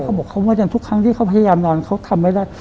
เขาบอกเขาว่าอย่างทุกครั้งที่เขาพยายามนอนเขาทำไม่ได้